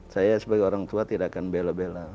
saya sebagai orang tua tidak akan bela bela